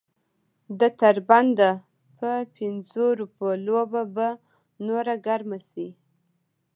د تر بنده په پنځو روپو لوبه به نوره ګرمه شي.